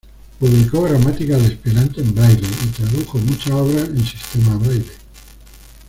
Publicó gramáticas de Esperanto en Braille y tradujo muchas obras en sistema Braille.